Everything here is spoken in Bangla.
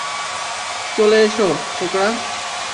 চলে এসো, ছোকরা।